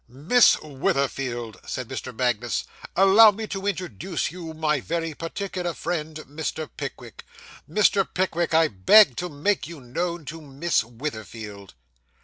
'Miss Witherfield,' said Mr. Magnus, 'allow me to introduce my very particular friend, Mr. Pickwick. Mr. Pickwick, I beg to make you known to Miss Witherfield.